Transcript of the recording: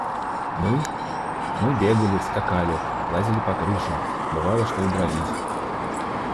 Мы?.. Мы бегали, скакали, лазили по крышам. бывало, что и дрались.